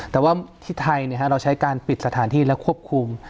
แต่ว่าที่ไทยเราใช้การปิดสถานที่และควบคุม